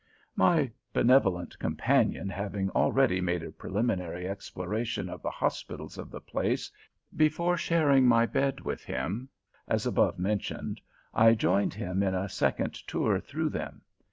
My benevolent companion having already made a preliminary exploration of the hospitals of the place, before sharing my bed with him, as above mentioned, I joined him in a second tour through them.